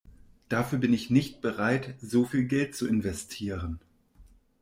Dafür bin ich nicht bereit, so viel Geld zu investieren.